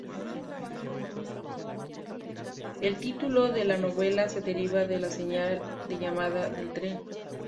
El título de la novela se deriva de señal de llamada del tren.